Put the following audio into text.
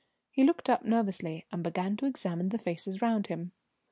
He looked up nervously and began to examine the faces round him.